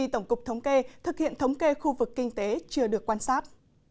tổng cục thống kê thực hiện thống kê khu vực kinh tế chưa được quan sát